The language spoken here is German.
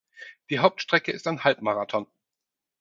Die Hauptstrecke ist ein Halbmarathon.